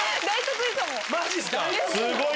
すごい！